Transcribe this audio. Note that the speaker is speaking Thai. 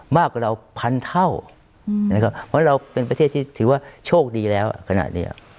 มากกว่าเราพันเท่านะครับเพราะเราเป็นประเทศที่ถือว่าโชคดีแล้วขณะเดียว